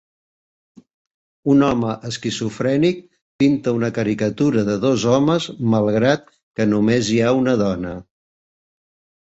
Un home esquizofrènic pinta una caricatura de dos homes malgrat que només hi ha una dona